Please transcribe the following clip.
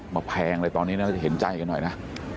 แพงเลยตอนนี้น่าจะเห็นใจกันหน่อยนะ